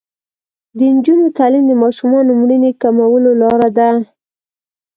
د نجونو تعلیم د ماشومانو مړینې کمولو لاره ده.